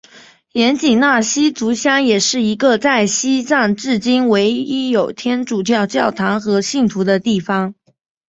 盐井纳西族乡也是一个在西藏迄今唯一有天主教教堂和信徒的地方。